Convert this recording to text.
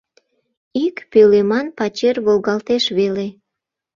Ик пӧлеман пачер волгалтеш веле.